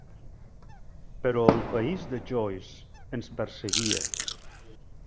Però el país de Joyce ens perseguia.